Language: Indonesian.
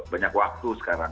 banyak waktu sekarang